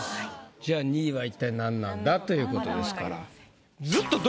じゃあ２位は一体何なんだという事ですから。